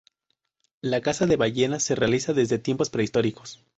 La caza de ballenas se realiza desde tiempos prehistóricos.